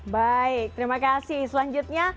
baik terima kasih selanjutnya